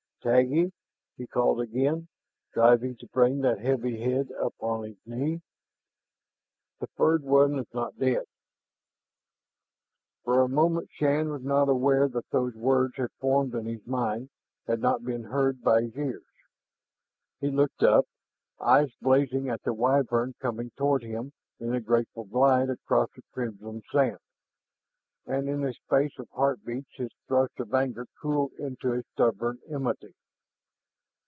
"Taggi?" He called again gently, striving to bring that heavy head up on his knee. "The furred one is not dead." For a moment Shann was not aware that those words had formed in his mind, had not been heard by his ears. He looked up, eyes blazing at the Wyvern coming toward him in a graceful glide across the crimsoned sand. And in a space of heartbeats his thrust of anger cooled into a stubborn enmity.